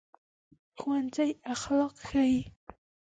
ښوونځی اخلاق ښيي